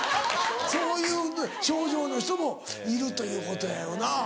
そういう症状の人もいるということやよな。